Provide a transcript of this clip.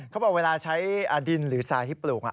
เขาบอกว่าเวลาใช้ดินหรือซายที่ปลูกอ่ะ